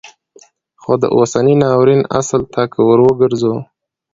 خو د اوسني ناورین اصل ته که وروګرځو